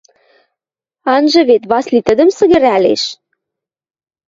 Анжы вет Васли тӹдӹм сӹгӹрӓлеш?